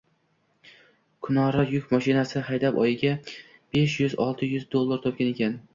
Kunora yuk moshinasi haydab, oyiga besh yuz-olti yuz dollar topgan ekan